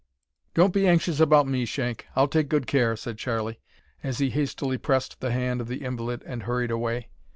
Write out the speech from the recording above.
"Don't be anxious about me, Shank; I'll take good care," said Charlie, as he hastily pressed the hand of the invalid and hurried away.